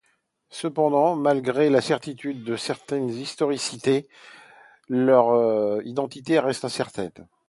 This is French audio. Cependant, malgré la certitude de leur historicité, leur identité reste incertaine.